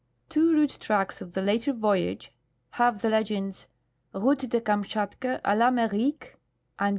Two route tracks of the later voj^age have the legends :" Route de Kamtchatka a I'Amerique en 1741..